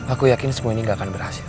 aku yakin semua ini gak akan berhasil